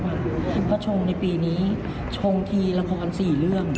เพราะชงในปีนี้ชงทีละคร๔เรื่อง